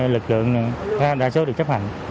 lực lượng đa số được chấp hành